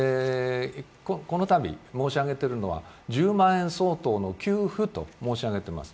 このたび、申し上げているのは１０万円相当の給付と申し上げています。